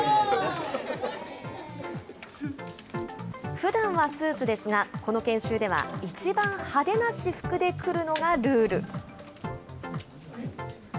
ふだんはスーツですが、この研修では、いちばん派手な私服で来るのがルール。